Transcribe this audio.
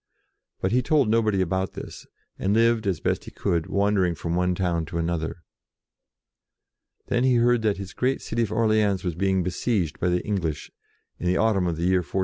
But he told nobody about this, and lived as he best could, wandering from one town to HOW JOAN OBEYED THE VOICES 17 another. Then he heard that his great city of Orleans was being besieged by the English, in the autumn of the year 1428.